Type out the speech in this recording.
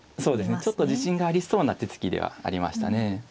ちょっと自信がありそうな手つきではありましたね。